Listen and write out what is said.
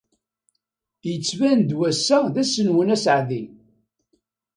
Yettban-d wass-a d ass-nwen aseɛdi.